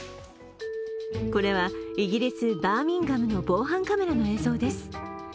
これはイギリス・バーミンガムの防犯カメラの映像です。